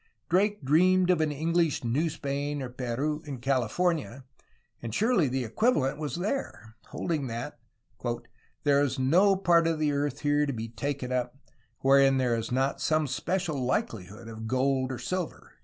Drake dreamed of an English New Spain or Peru in California — and surely the equivalent was there! — holding that "there is no part of the earth here to bee taken up, wherein there is not some special likelihood of gold or silver."